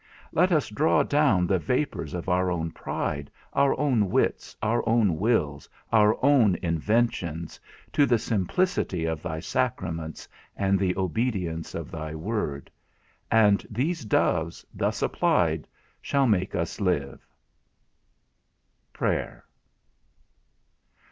Let us draw down the vapours of our own pride, our own wits, our own wills, our own inventions, to the simplicity of thy sacraments and the obedience of thy word; and these doves, thus applied, shall make us live. XII. PRAYER.